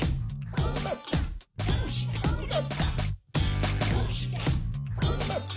こうなった？